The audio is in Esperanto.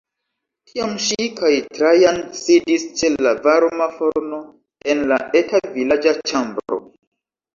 Tiam ŝi kaj Trajan sidis ĉe la varma forno en la eta vilaĝa ĉambro.